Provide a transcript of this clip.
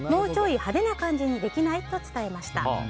もうちょい派手な感じにできない？と伝えました。